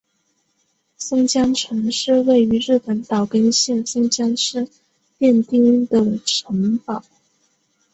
松江城是位于日本岛根县松江市殿町的城堡。